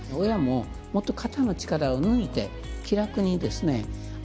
親ももっと肩の力を抜いて気楽にですね